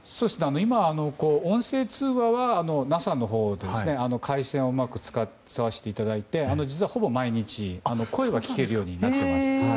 今は音声通話はＮＡＳＡのほうで回線をうまく使わせていただいて実はほぼ毎日声は聞けるようにはなってます。